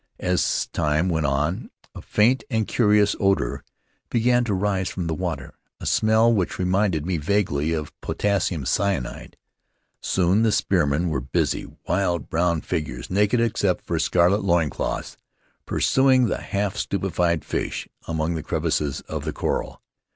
As time went on, a faint and Faery Lands of the South Seas curious odor began to rise from the water — a smell which reminded me vaguely of potassium cyanide. Soon the spearmen were busy — wild brown figures, naked except for scarlet loin cloths — pursuing the half stupefied fish among the crevices of the coral.